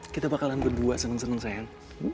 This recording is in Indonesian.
kita bakalan berdua seneng seneng sayang